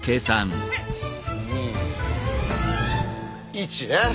１ね。